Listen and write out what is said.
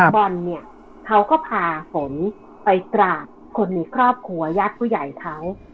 บอลเนี่ยเขาก็พาฝนไปกราบคนในครอบครัวญาติผู้ใหญ่เขา